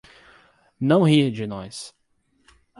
Não ria de nós!